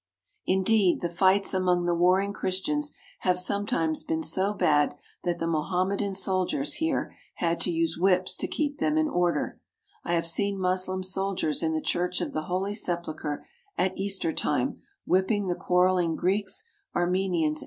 Indeed, the fights among the warring Christians have sometimes been so bad that the Mohammedan soldiers here had to use whips to keep them in order. I have seen Moslem soldiers in the Church of the Holy Sepulchre at Easter time whipping the quarrelling Greeks, Ar menians, and Copts in order to separate them.